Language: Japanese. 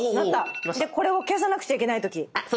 でこれを消さなくちゃいけない時。